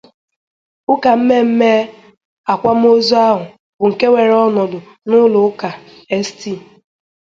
Ụka mmemme akwamozu ahụ bụ nke weere ọnọdụ n'ụlọ ụka 'St